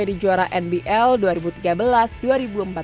prast turut andil dalam membawa aspak jakarta ke jogja